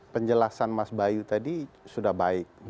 penjelasan mas bayu tadi sudah baik